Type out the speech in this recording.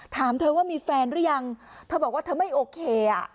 ถามเธอว่ามีแฟนหรือยังเธอบอกว่าเธอไม่โอเคอ่ะ